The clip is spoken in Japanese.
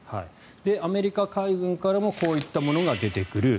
アメリカ海軍からもこういったものが出てくる。